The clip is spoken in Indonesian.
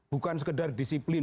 bukan sekedar disiplin